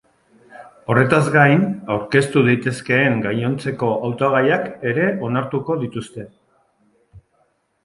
Horretaz gain aurkeztu daitezkeen gainontzeko hautagaiak ere onartuko dituzte.